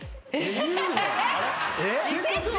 えっ！？